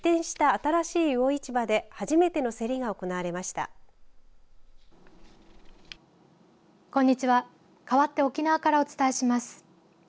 かわって沖縄からお伝えします。